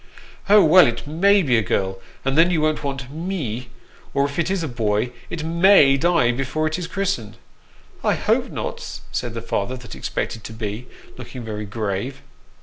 "Oh, well, it may be a girl, and then you won't want me ; or if it is a boy, it may die before it is christened." " I hope not," said the father that expected to be, looking very grave.